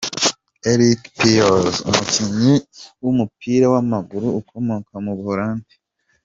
Erik Pieters, umukinnyi w’umupira w’amaguru ukomoka mu Buholandi.